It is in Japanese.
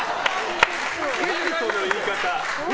何その言い方。